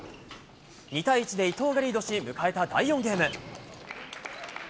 ２対１で伊藤がリードし、迎えた第４ゲーム。